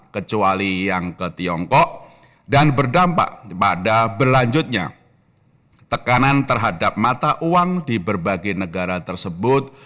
kecuali yang ke tiongkok dan berdampak pada berlanjutnya tekanan terhadap mata uang di berbagai negara tersebut